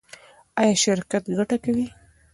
ایا شرکت ګټه کوي؟